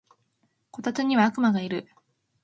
こたつには悪魔がいる